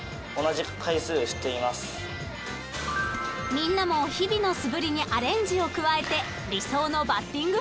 ［みんなも日々の素振りにアレンジを加えて理想のバッティングフォームを身に付けよう］